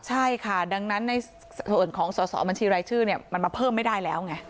ใช่ค่ะดังนั้นในส่วนของสอสอบัญชีรายชื่อเนี่ยมันมาเพิ่มไม่ได้แล้วไง